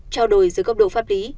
trao đổi dưới góc độ pháp lý